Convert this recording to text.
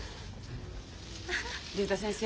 竜太先生